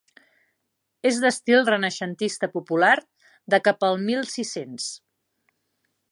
És d'estil renaixentista popular de cap al mil sis-cents.